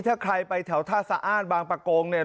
ถ้าใครไปแถวท่าสะอ้านบางประกงเนี่ย